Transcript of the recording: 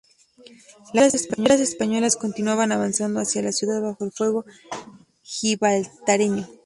Las trincheras españolas continuaban avanzando hacia la ciudad bajo el fuego gibraltareño.